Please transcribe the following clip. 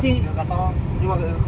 thì gà bay chở lông gà bay mâm